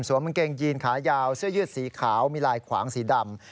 กางเกงยีนขายาวเสื้อยืดสีขาวมีลายขวางสีดำ